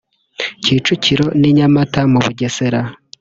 Kicukiro n’i Nyamata mu Bugesera